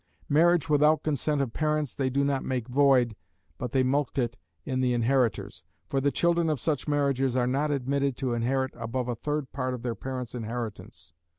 Marriage without consent of parents they do not make void, but they mulct it in the inheritors: for the children of such marriages are not admitted to inherit above a third part of their parents' inheritance.